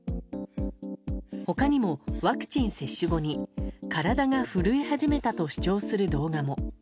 他にもワクチン接種後に体が震え始めたと主張する動画も。